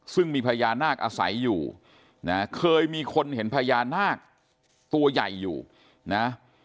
ซึ่งมีพญานาคอาศัยอยู่นะเคยมีคนเห็นพญานาคตัวใหญ่อยู่นะ